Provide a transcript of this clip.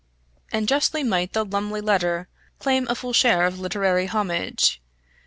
And justly might the Lumley Letter claim a full share of literary homage.